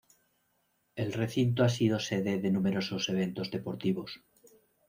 El recinto ha sido sede de numerosos eventos deportivos.